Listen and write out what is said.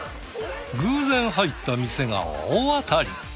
偶然入った店が大当たり。